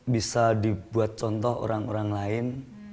bisa dibuat contoh orang orang lain